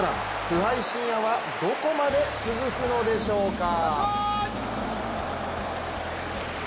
不敗神話はどこまで続くのでしょうか。